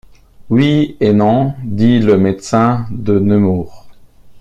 Oui et non, dit le médecin de Nemours.